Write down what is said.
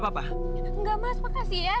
bayar baik baik saja